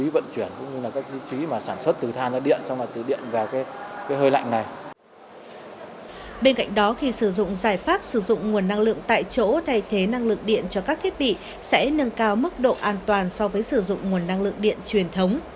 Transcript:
bên cạnh đó khi sử dụng giải pháp sử dụng nguồn năng lượng tại chỗ thay thế năng lượng điện cho các thiết bị sẽ nâng cao mức độ an toàn so với sử dụng nguồn năng lượng điện truyền thống